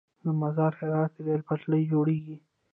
د مزار - هرات ریل پټلۍ جوړیږي؟